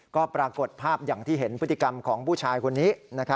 ก็ปรากฏภาพอย่างที่เห็นพฤติกรรมของผู้ชายคนนี้